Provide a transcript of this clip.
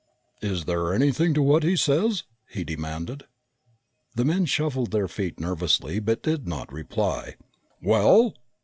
"Is there anything to what he says?" he demanded. The men shuffled their feet nervously but did not reply. "Well?"